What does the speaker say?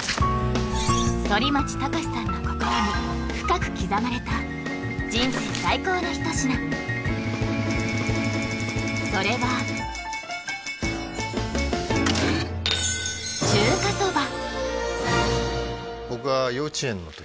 反町隆史さんの心に深く刻まれた人生最高の一品それはご家族で？